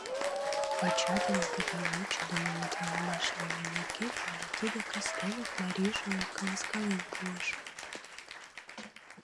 Йоча дене тыгай вучыдымо мутланымаш лийме нерген Валя тиде кастенак марийжылан каласкален пуыш.